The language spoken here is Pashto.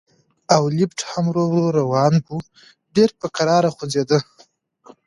او لفټ هم ورو ورو روان و، ډېر په کراره خوځېده.